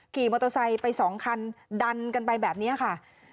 ขี่มอเตอร์ไซค์ไป๒คันดันกันไปแบบนี้ค่ะ